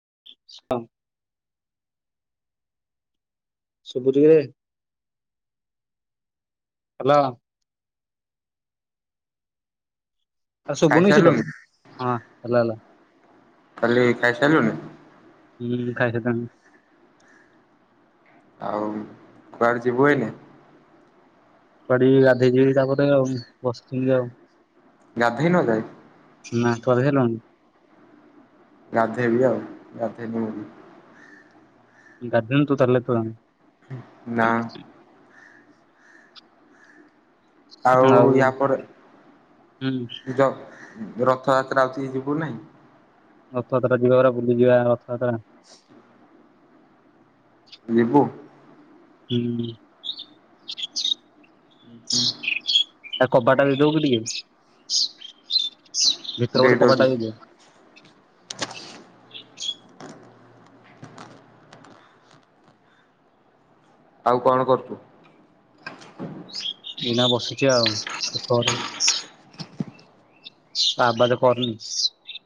[unintelligible] ଶବୁ ଚି ନା ନାହିଁ। ହାଲୋ। ଆ ଶୁଭନୁସିଦମ ଖାଇସାରିଲୁନି ହଁ ହେଲା ହେଲା। କାଲି ଖାଇସାଲୁନି? ହୁଁ ଖାଇସା [unintelligible] ଆଉ କୁଆଡେ ଯିବୁ ଏଇନେ? କୁଆଡେ ଯିବି ଗାଧେଇ ଯିବି ତାପରେ ଆଉ ବସଥିଲି ଆଉ। ଗାଧେଇନ ଏଯାଏ। ନା କହିଲେ କଣ? ଗାଧେଇ ବି ଆଉ ଗାଧେଇ ଗାଧେଇନୁ ତୁ ତାହେଲ ଏପର୍ଯ୍ୟନ୍ତ। ନା। ଆଉ ୟା ପରେ ଜ ରଥଯାତ୍ରା ହଉଛି ଯିବୁ ନାଇଁ? ରଥଯାତ୍ରା ଯିବା ପରା ବୁଲିଯିବା ରଥଯାତ୍ରା। ଯିବୁ? ହୁଁ। ଉ ହୁଁ। ଆ କବାଟ ଦେଇଦବୁ କି ଟିକେ? ଭିତର ଡେଟ୍ ପଟେ ଅଛି କବାଟଟା ଦେଇଦେ। ଆଉ କଣ କରୁଛୁ? ଏଇନା ବସୁଛି ଆଉ [unintelligible] [unintelligible] କରନି।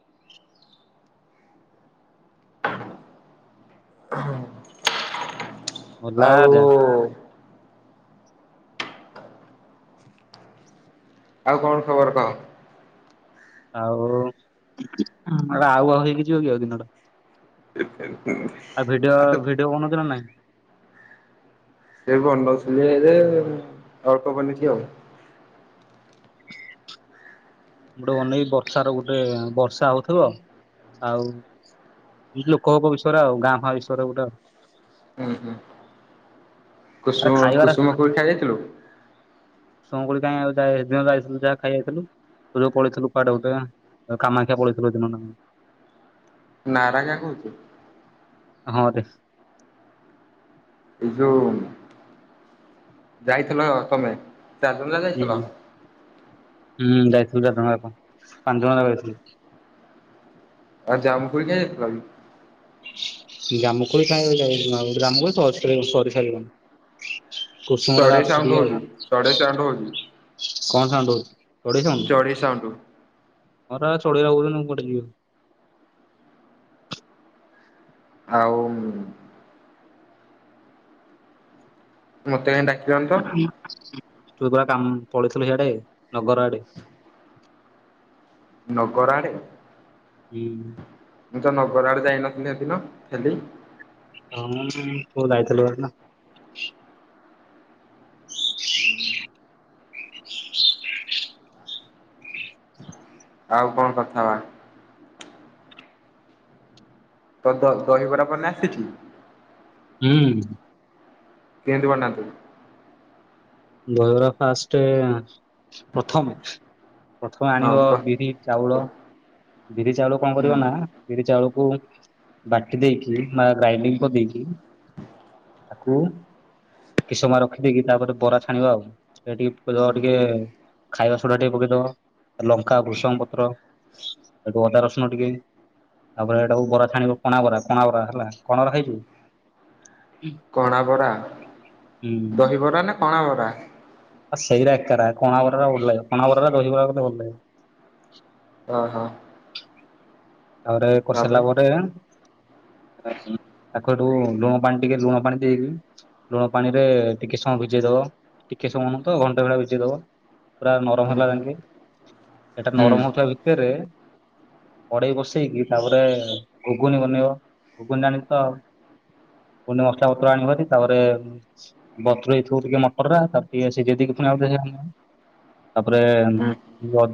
ଗଲା ଯା ଆଉ ଆଉ କଣ ଖବର କହ? ଆଉ ଆର ଆଉ-ଆଉ ହେଇକି ଯିବ କି ଆଉ ଦିନଟା। ଆଉ ଭିଡିଓ-ଭିଡିଓ ବନଉଛୁ ନା ନାଇଁ? ସେ ବନଉଥିଲି ଯେ ଅଳ୍ପ ବନେଇଛି ଆଉ। ଗୋଟେ ବନେଇବି ବର୍ଷ ର ଗୋଟେ ବର୍ଷା ହଉଥିବ ଆଉ ଏ ଯୋଉ କପ୍ ବିଷୟରେ ଆଉ ଗାଁ ଫାଁ ବିଷୟରେ ଗୋଟେ ଆରେ ଖାଇବାର କୁସୁମ-କୁସୁମକୁରୀ ଖାଇ ଦେଇଥିଲୁ? [unintelligible] କାଇଁ ଆଉ ଯାହା ଏଦିନ ଯାଇଥିଲୁ ଯାହା ଖାଇ ଯାଇଥିଲୁ। ତୁ ଯୋଉ ପଳେଇଥିଲୁ କୁଆଡେ ଗୋଟେ କାମାକ୍ଷା ପଳେଇଥିଲୁ ନାରାଗା କହୁଛୁ। ହଁରେ। ଏଇ ଯୋଉ ଯାଇଥିଲ ତମେ ଚାରି ଜଣ ହୁଁ ଯା-ଯାଇଥିଲା? ହୁଁ ଯାଇଥିଲୁ ଚାରିଜଣ ଯାକ ପାଞ୍ଚଜଣ ଯାକ ଯାଇଥିଲୁ। ଆ ଜାମୁକୋଳି [unintelligible] ଜାମୁକୋଳି ଖାଇବା ଯାଇଥିଲୁ ଜାମୁକୋଳି [unintelligible] ସାରିବନ। କୁସୁମ [unintelligible] କଣ ଚଢେଇ ହଉଛି ସାଉଣ୍ଡ ଚଢେଇ ସାଉଣ୍ଡ ହଉଛି ଚଢେଇ ସାଉଣ୍ଡ? ଚଢେଇ ସାଉଣ୍ଡ ଘରେବା ଚଢେଇ ଗୁରା ବୋବଉଛନ୍ତି ମୁଁ କୁଆଡ଼େ ଯିବି ଆଉ। ଆଉ ମତେ କାଇଁ ତୁ ପରା କାମ ପଳେଇଥିଲୁ ସେଆଡେ ନଗର ଆଡେ। ନଗର ଆଡେ। ହୁଁ। ମୁଁ ତ ନଗର ଆଡେ ଯାଇନଥିଲି ସେଦିନ ହଁ, ତୁ ଯାଇଥିଲୁ ବା ସେଦିନ। ଆଉ କଣ କଥା ହବା? ତ ଦ ଦହିବରା ବନେଇ ଆସିଛି? ହୁଁ। କେନ୍ତିି ବନାନ୍ତି? ଦହିବରା ଫାଷ୍ଟ ପ୍ରଥମେ ପ୍ରଥମେ ହଁ ଆଣିବ ତ ବିରି ଚାଉଳ ହୁଁ ବିରି ଚାଉଳ କଣ କରିବ ନା ହୁଁ ବିରି ଚାଉଳ ବାଟି ଦେଇକି ବା ଗାଇଡି କରି ଦେରିଦେଇକି ତାକୁ କି ସମୟ ରଖିଦେଇକି ତାପରେ ବରା। ଛାଣିବା ଆଉ ସେ ଟିକେ ଟିକେ ହୁଁ ଖାଇବା ସଡା ଟିକେ ପକେଇଦବା ଲଙ୍କା ଗୃଷଙ୍ଗ ପତ୍ର ଏଠ ଅଦା ରସୁଣ ଟିକେ ତାପରେ ଏଟା ବରା ଛାଣିବ କଣା ବରା କଣା ବରା ହେଲା କଣା ବରା ଖାଇଛୁ? କଣା ବରା ହୁଁ ଦହିବରା ନା କଣା ବରା। ଆ ସେଇଟା ଏକା କଣ ବର ଭଲ ଲାଗିବ କୋ ବରରେ ରହିବେ ଭଲ ଲାଗିବ। ହ ହୋ। ତାପରେ କରିସାରିଲା ପରେ ତାଖ ଏଠୁ ଲୁଣ ପାଣି ଟିକେ ଲୁଣ ପାଣି ଦେଇବି ଲୁଣ ପାଣି ରେ ଟିକେ ସମୟ ଭିଜେଇ ଦବ। ଟିକେ ସମୟ ନୁହ ତ ଘଣ୍ଟା ଭଳିଆ ବିଝେଇଦବ। ପୁରା ନରମ ହୁଁ ହେଲା ଯଙ୍କେ ଏଇଟା ହୁଁ ନରମ ହଉଥିବା ଭିତରେ କଡ଼େଇ ବସେଇ କି ଵସେଇକି ତାପରେ ଘୁଗୁନି ବନେଇବ ଘୁଗୁନି ଜାଣିଛ ତ ପୁଣି ମସଲା ପତ୍ର ଆଣିବୁହେରି ତାପରେ ବତୁରେଇ ଥିବୁ ହେଇଥିବ ଟିକେ ମଟର ତାକୁ ଟିକେ ସିଜେଇ ଦେଇକି ଆଉ ଥରେ [inaudible] ତାପରେ ହୁଁ ଅ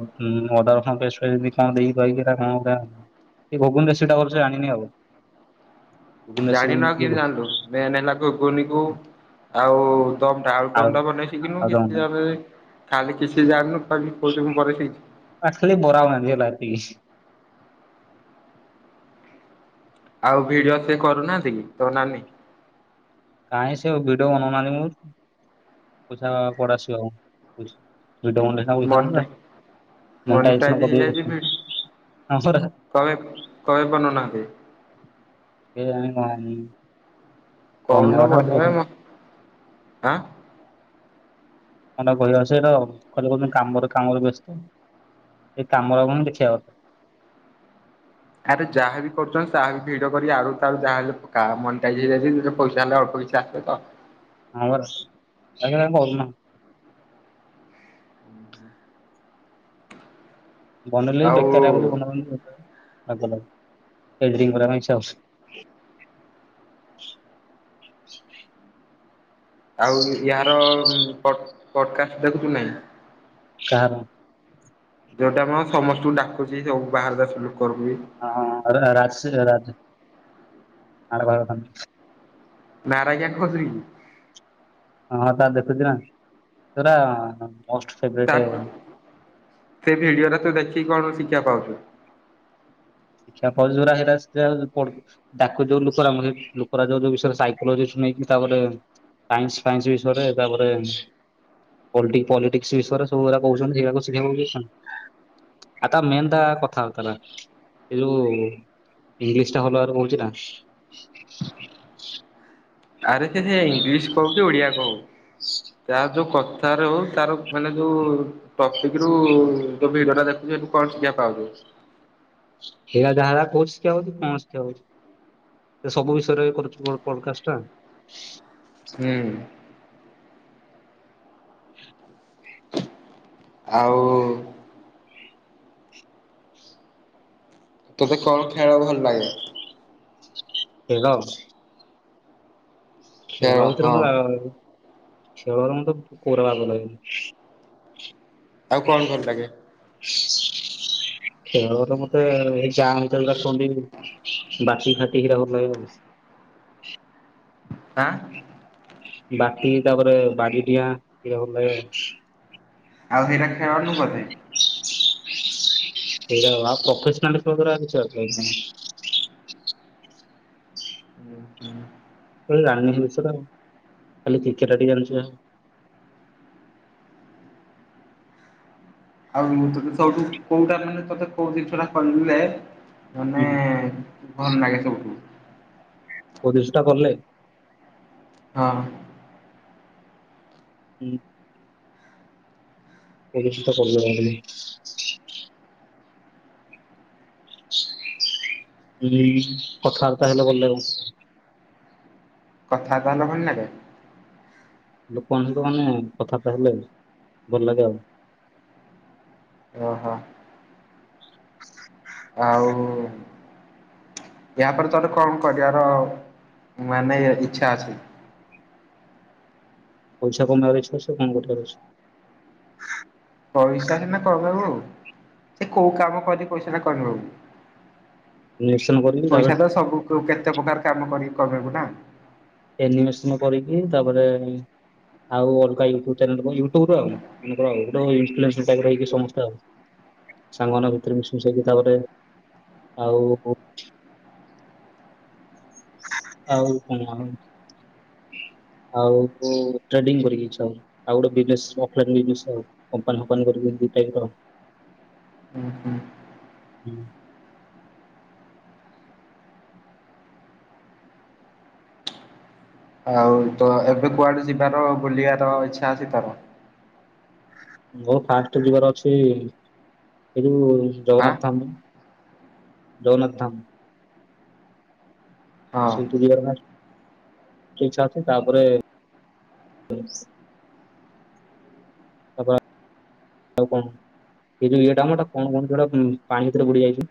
ଅଦାରସୁଣ ପେଷ୍ଟ କଣଦେଇ ଦେଇକି କଣ ଏ ଘୁଗୁନି ଦେ ସେଟା ଭଲସେ ଚ୍ଚାଣିନି ଆଉ। ଘୁଗୁନି ରେସିପି ଜାଣିନ କେ କେମିତି ଜାଣିଲୁ ମେନ ନେଲା ଗୁଗୁନି କୁ। ଆଉ ଦମଟା ଆଳ ଆଳୁ ଦମ ଟା ବନେଇସ କିିନୁ ଆଳୁଦମ୍ କିଛି [inaudible] ଖାଲି କିଛି ଜାଣିନୁ ଖାଲି କହୁଚୁ ମୁଁ କରିବି। ଆଖଲି ବୋରାଉ ନାଝ ଲାଗତି [inaudible] ଆଉ ଭିଡିଓ ସେ କରୁନାହାନ୍ତି କି ତୋ ନାନୀ? କାହିଁ ସେ ଭିଡ ବନଉନାହା ସେ ପଢା ଝିଅ। [inaudible] ପଇସା ମନିଟା ମଟା ମନିଟାଇଜ ଆସନ ହେଇଯାଇଛି ପକେଇକି [inaudible] ଭିଡି କବେ କବେ ବନୁନା। [unintelligible] ବନ୍ୟା କହୁନୁ କଥା ଖାଲି ଭଲ କହୁଛନ୍ତି ମ ଆଁ। ମ ବହି ଆସ ର ଘ କହୁ କାମରେ କାମରେ ବ୍ୟସ୍ତ ଏ କାମରକୁ ଦେଖିବା କଥା। ଭିଡ କରି ଆଳୁ ସରୁ ଯାହାହଲେ ମ ପଇସା ହେଲେ ଅଳ୍ପ କିଇଛି ଆସେ ତ? ହଁ ପରା ତା କହୁଉନା। ବନେଇଲେ ବି ଆଉ ବେକାରିଆ କରି ବନାଉଛନ୍ତି। ଆ ଏଟ୍ରି ବ ହଉଛି [inaudible] [unintelligible] ଆଉ ଏହାର ପଡକାଷ୍ଟ ଦେଖୁଛୁ ନାହିଁ? ହଁ। ଯୋଉଟା ଆମ ସମସ୍ତଙ୍କୁ ଡାକୁଛି ସବୁ ବାହାର ଦେଶରୁ। ହଁ ହ ରାଜ ରାଜ ଆର ଭ [inaudible] ନାରାଜ କ ଖଜୁର [inaudible] ହଁ ହଁ ତା ଦେଖୁଛି ନା ସେରା ତା ସେ ଭିଡିଓରେ ତୁ ଦେଖିକି କଣ ଶିଖିବା ପାଉଛୁ? ଶିକ୍ଷା ପାଉଛି ଜୋରା ହେରା ଶିକ୍ଷା ପ ତାକୁ ଯୋଉଁ ଲୋକ ମରି ଲୋକ ଯୋଉଁ ଯୋଉଁ ବିଷୟରେ ସାଇକୋଲାଗି। ନେଇକି ତାପରେ ସାଇନ୍ସ ଫାଇନ୍ସ ବିଷୟରେ ତାପରେ ପଲିଟିକ୍ସ ବିଷୟରେ ସବୁୁଡା କହୁଛନ୍ତିକୁ ଶିଖିବାକୁ ମିଳୁଛି। ଆଟା ମେନଟା ଟା କଥା ବାର୍ତା ରା। ହେଲୋ! [inaudible] ଆରେ ସେ ସେ ଇଂଲିଶ କହୁ କି ଓଡିଆ କହୁ! ତାର ଯୋଉ କଥାରେ ହଉ ତାର ମାନେ ଯୋଉ ଟପିକ ରୁ ଭିଡ଼ିଓ ଟା ଦେଖୁଛ ଏଠୁ କଣ ଶିକ୍ଷା ପାଉଛୁ? ହେରା ଯାହା ଯାହା କହୁଛି ଶିକ୍ଷା ପାଉଛୁ କଣ ଶିକ୍ଷା ପାଉଛୁ! ସେ ସବୁ ବିଷୟରେ କରୁଛ ମୋ କଲକାଷ୍ଟ ଟା? ହୁଁ। ଆଉ ତୋତେ କଣ ଖେଳ ଭଲ ଲାଗେ? ଖେଳ! ଖେଳ ଭିତରେ ଖେଳରେ ମତେ କୋଉରା ବାଗ ଲାଗେନି। ଆଉ କଣ ଭଲ ଲାଗେ? ଖେଳରେ ମତେ ଏଇ ଗାଁଭିତରେ ଯୋଉଟା କୁହନ୍ତି, ବାଟି ଫାଟି କିରା ଭଲ ଲାଗେ ଆଉ। ଆଁ? ବାଟି ତାପରେ ବାଡିଡିଆଁ ଏରା ଭଲ ଲାଗେ। ଆଉ ହେଇଟା ଖେଳନୁ ବୋଧେ? ସେଇଟା ଆଉ ପ୍ରୋଫେସନାଲ୍ ଖେଳ କଉରା ଅଛି। ହୁ ହୁଁ। ରାନୀ ଜିନିଷଟା ଖାଲି ଚିକେଟା ଟି ଜାଣିଛି ଯାହା। ଆଉ ତତେ ସବୁଠୁ କୋଉଟା ମାନେ ତତେ କଉ ଜିନିଷଟା କଲେ ମାନେ ହୁଁ ଭଲ ଲାଗେ ସବୁଠୁ? ପରିସ୍ରା କଲ? ହଁ। ହୁଁ। [unintelligible] ଲି କଥାବାର୍ତ୍ତା ହେଲେ ଭଲ ଲାଗୁନି? କଥା ତାହଲେ ଭଲ ନାଗେ ବନ୍ଧୁ ମାନେ କଥା ତ ହେଲେ ଭଲ ଲାଗେ ଆଉ। ଓ ହୋ। ଆଉ ୟାପରେ ତୋର କଣ କରିବାର ମାନେ ଇଚ୍ଛା ଅଛି? ପଇସା କମେଇବାର ଇଛା ଅଛି ଆଉ କଣ କରିବାର ଅଛି। ପଇସା ସିନା କରିଦେବୁ ଏ କୋଉ କାମ କରି ପଇସା ଟା କରିଦବୁ? ଇନଭେଷ୍ଟମେଣ୍ଟ କରିକି ତାପରେ ପଇସା ତ ସବୁ ପ୍ରକା କେତେ ପ୍ରକାର କାମ କରିକି କମେଇବୁ ନା ଏନିମେସନ କରିକି ତାପରେ ଆଉ ଅଲଗା ୟୁଟୁବ୍ ଚାନେଲ ଖୋଲିବୁ ୟୁଟୁବ୍ ରୁ ଆଉ ୟୁଟୁବ ରିପ୍ଲସ୍ ସେଟେଲ ସମସ୍ତେ ସାଙ୍ଗମାନଙ୍କ ଭିତରେ ମିଶି ମିଶାକି ତାପରେ ଆଉ ଆଉ ତମର? [inaudible] ଆଉ ଟ୍ରେଡିଙ୍ଗ୍ କରିକି ଇଛା ହଉଚି ଆଉ ଗୋଟେ ବିଜିନେସ୍ କମ୍ପାନୀ ବିଜିନେସ୍ କମ୍ପାନୀ ଫମ୍ପାନୀ କରିକି ଟାଇପ୍ ର ହୁଁ। ହୁଁ ହୁଁ। ଆଉ ତ ଏବେ କୁଆଡେ ଯିବାର ବୁଲିବାର ଇଚ୍ଛା ଅଛି ତୋର? ମୁ ଫାଷ୍ଟ ଯିବାର ଅଛି, ଏଇ ଯୋଉ ଆଁ ଜଗନ୍ନାଥ ଧାମ ଜଗନ୍ନାଥ ଧାମ ହଁ ସେ ଦୁନିଆର ନାଥ ଇଛା ଅଛି ତାପରେ [unintelligible] ଆଉ କଣ ଏଇ ଯୋଉଇଏଟା ମ କଣ କୁହନ୍ତି ଯୋଉଟା ପାଣି ଭିତରେ ବୁଡ଼ି ଯାଇଛି।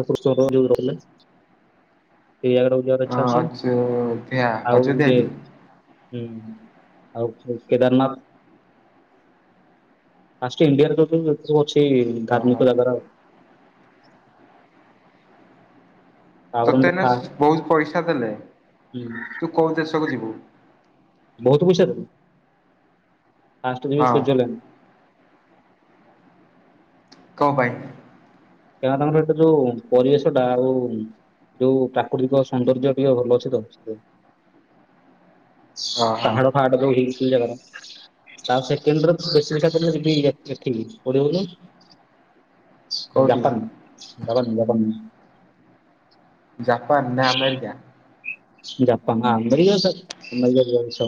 କୃଷ୍ଣ ଯୋଉ ରହିଲେ ସେ ଜାଗା ଟିକୁ ଯିବାର ଅଛି। ଇଚ୍ଛା ଅଯୋଧ୍ୟା ଆଉ ଅଯୋଧ୍ୟା ଇଏ କି? ହୁଁ ଆଉ କେଦାରନାଥ୍? ଫାଷ୍ଟ ଇଣ୍ଡିଆରେ ଯୋଉ ଯୋଉ ସବୁ ଅଛି ଓହୋ। ଧାର୍ମିକ ଜାଗାରା। [unintelligible] ତାପରେ ତତେ ମତେ ଏଇନା ଫା ବହୁତ ପଇସା ଦେଲେ ହୁଁ ତୁ କୋଉ ଦେଶକୁ ଯିବୁ? ବହୁତ ପଇସା ଦେବେ ପାଷ୍ଟେ ଯିବି ହଁ ସୂର୍ଯ୍ୟଲାନ୍ଟ୍। କଅଁ ପାଇଁ? କାରଣ ତାଙ୍କର ଏଟା ଯୋଉ ପରିବେଶ ଟା ଆଉ ଯୋଉ ପ୍ରାକୃତିକ ସୌନ୍ଦର୍ଯ୍ୟ ଟିକେ ଭଲ ଅଛି ତ ସେଥିପାଇଁ। [inaudible] ହଁ ହଁ ପାହାଡ଼ ଫାହାଡ଼ ଯୋଉଠି ଦି ଯାଗାରେ ତା ସେକେଣ୍ଡରେ ସ୍ପେସିପିକାଲି ଯିବି ଏ ଏଠିକି କୋଉଠି କହିଲୁ [inaudible] ଜାପାନ୍ ଜାପାନ୍ ଜାପାନ୍। ଜାପାନ୍ ନା ଆମେରିକା। ଜାପାନ୍ ଆମେରିକା ଛାଡ଼େ ଆମେରିକା ଯିବାନି ସ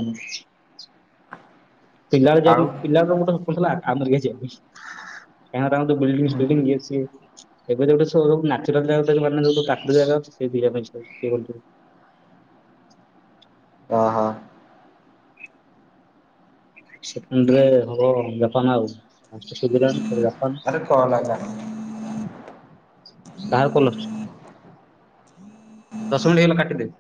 ପିଲାବେଳେ ଆଉ ପିଲାବେଳେ ଗୋଟେ ସ୍ବପ୍ନ ଥିଲା ଆମେରିକା ଯିବା ବୋଲି। କାହିଁକିନା ତାଙ୍କର ବଲ୍ଡିଙ୍ଗ୍ ସ୍ଟେଡିଙ୍ଗ୍ ଇଏ ସିଏ ଏବେତ ଗୋଟେ ସୋ ରୁମ୍ ନାଚୁରାଲ୍ ଜାଗାଟେ ଦେଖିବୁ ମାନେ ତୁ କହିବୁ କାଚା ଯେଗାକୁ ଆସିଚି। [unintelligible] ଓହୋ ସେକେଣ୍ଡରେ ହବ ଜାପାନ୍ ଆଉ ସୂର୍ଯ୍ୟଲାନ୍ଟ୍ ଜାପାନ୍। ଆରେ କହନା ଯା କାହାର କଲ୍ ଆସୁଚି। ଦଶ ମିନିଟ୍ ହେଇଗଲା କାଟିଦେ।